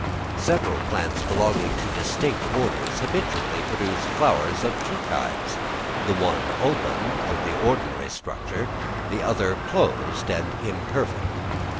Several plants belonging to distinct orders habitually produce flowers of two kinds—the one open, of the ordinary structure, the other closed and imperfect.